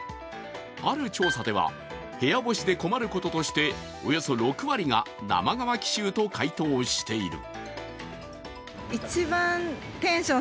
ある調査では、部屋干しで困ることとしておよそ６割が生乾き臭と回答している。